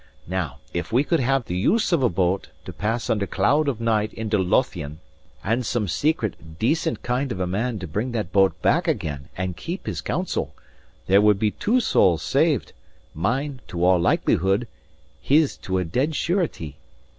Now if we could have the use of a boat to pass under cloud of night into Lothian, and some secret, decent kind of a man to bring that boat back again and keep his counsel, there would be two souls saved mine to all likelihood his to a dead surety.